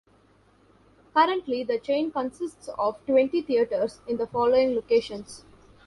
Currently, the chain consists of twenty theaters in the following locations.